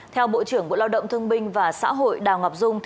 theo bộ trưởng bộ lao động thương binh và xã hội đào ngọc dung